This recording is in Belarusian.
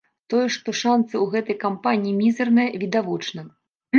Тое, што шанцы ў гэтай кампаніі мізэрныя, відавочна.